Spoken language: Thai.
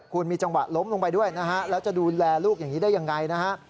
คุณมีจังหวะล้มลงไปด้วยนะฮะแล้วจะดูแลลูกอย่างนี้ได้ยังไงนะฮะ